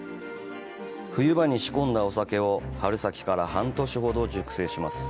冬場に仕込んだお酒を春先から半年ほど熟成します。